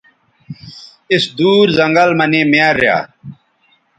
اِس دُور زنگل مہ نے میار ریا